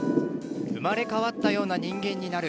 生まれ変わったような人間になる。